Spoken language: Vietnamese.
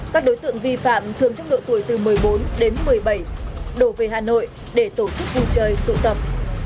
các đối tượng vi phạm thường trong độ tuổi từ một mươi bốn đến một mươi bảy đổ về hà nội để tổ chức vui chơi tụ tập